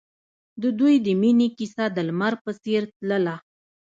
د دوی د مینې کیسه د لمر په څېر تلله.